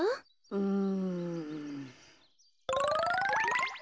うん。